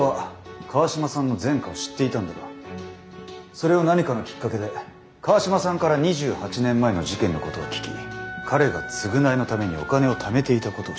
それを何かのきっかけで川島さんから２８年前の事件のことを聞き彼が償いのためにお金をためていたことを知った。